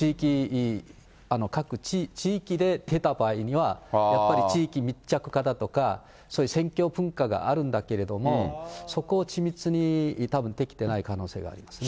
各地域で出た場合には、やっぱり地域密着型とか、そういう選挙文化があるんだけれども、そこを緻密にたぶんできてない可能性があるんですね。